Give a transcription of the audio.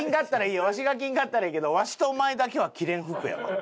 わしが着んかったらいいけどわしとお前だけは着れん服やこれ。